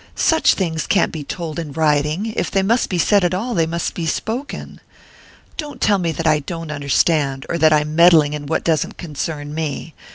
Such things can't be told in writing if they must be said at all, they must be spoken. Don't tell me that I don't understand or that I'm meddling in what doesn't concern me.